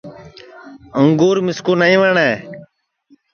انگُور مِسکُو نائیں وٹؔیں